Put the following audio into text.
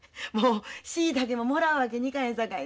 椎茸ももらうわけにいかへんさかいな。